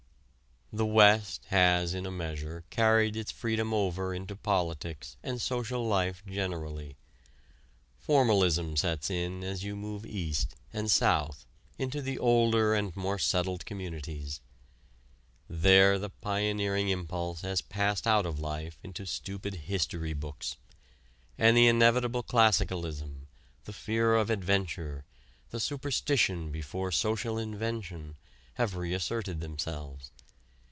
The West has in a measure carried its freedom over into politics and social life generally. Formalism sets in as you move east and south into the older and more settled communities. There the pioneering impulse has passed out of life into stupid history books, and the inevitable classicalism, the fear of adventure, the superstition before social invention, have reasserted themselves.